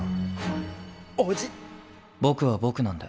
僕は僕なんで。